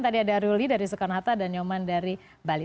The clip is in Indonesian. tadi ada ruli dari soekarnata dan nyoman dari bali